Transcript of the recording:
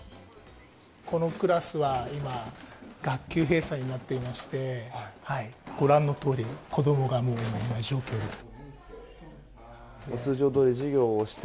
このクラスは今学級閉鎖になっていましてご覧のとおり子供がいない状況です。